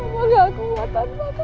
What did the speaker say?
ibu gak kuat tanpa ibu